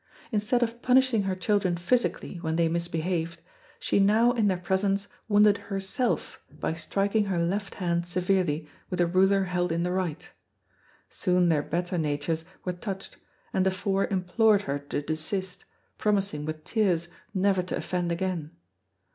Instead of punishing her children physically when they misbehaved, she now in their presence wounded herself by striking her left hand severely with a ruler held in the right. Soon their better natures were touched, and the four implored her to desist, promising with tears never to offend again.